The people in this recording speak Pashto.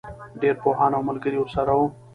ډېری پوهان او ملګري ورسره وو.